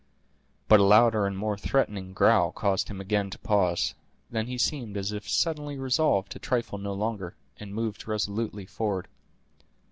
But a louder and more threatening growl caused him again to pause. Then he seemed as if suddenly resolved to trifle no longer, and moved resolutely forward.